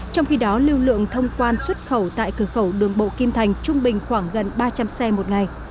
trong khi đó lưu lượng thông quan xuất khẩu tại cửa khẩu đường bộ kim thành trung bình khoảng gần ba trăm linh xe một ngày